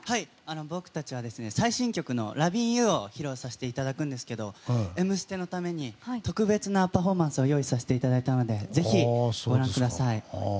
僕たちは最新曲の「Ｌｏｖｉｎ’ｙｏｕ」を披露させていただくんですが「Ｍステ」のために特別なパフォーマンスを用意させていただいたのでぜひご覧ください。